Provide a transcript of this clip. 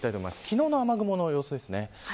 昨日の雨雲の様子です。